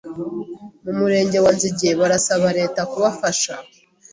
mu Murenge wa Nzige barasaba leta kubafasha